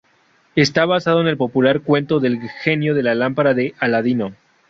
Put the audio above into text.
Está basado en el popular cuento del genio de la lámpara de Aladino.